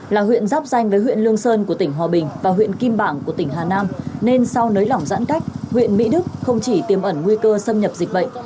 là huyện giáp danh với huyện lương sơn của tỉnh hòa bình và huyện kim bảng của tỉnh hà nam nên sau nới lỏng giãn cách huyện mỹ đức không chỉ tiêm ẩn nguy cơ xâm nhập dịch bệnh